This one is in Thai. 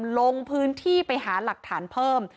ลงพื้นที่ไปหาหลักฐานเพิ่ม